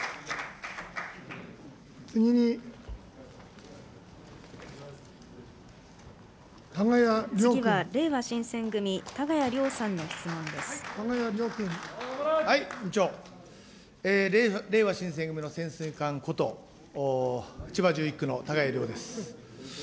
次はれいわ新選組、れいわ新選組の潜水艦こと、千葉１１区のたがや亮です。